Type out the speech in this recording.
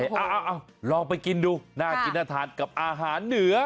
เอาลองไปกินดูน่ากินน่าทานกับอาหารเหนือ